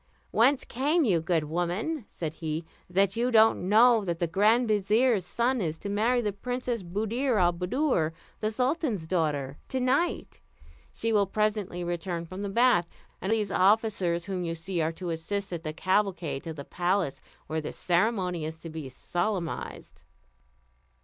"Whence came you, good woman," said he, "that you don't know that the grand vizier's son is to marry the Princess Buddir al Buddoor, the sultan's daughter, to night? She will presently return from the bath; and these officers whom you see are to assist at the cavalcade to the palace, where the ceremony is to be solemnised."